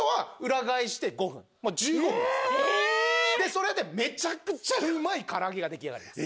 それでめちゃくちゃうまい唐揚げが出来上がります。